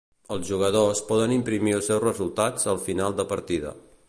Els jugadors poden imprimir els seus resultats al final de partida.